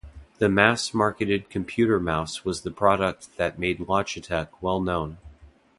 The mass-marketed computer mouse was the product that made Logitech well-known.